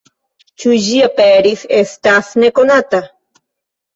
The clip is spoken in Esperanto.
Ĉu ĝi aperis, estas nekonata.